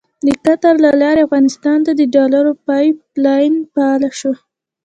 د قطر له لارې افغانستان ته د ډالرو پایپ لاین فعال شو.